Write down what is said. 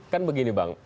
kan begini bang